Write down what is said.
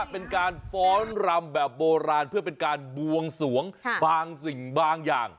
เป็นการฟ้อนรำแบบโบราณเพื่อเป็นการบวงสวงบางสิ่งบางอย่าง